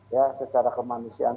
ya secara kemanusiaan